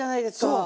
そう。